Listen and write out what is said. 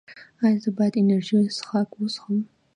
ایا زه باید انرژي څښاک وڅښم؟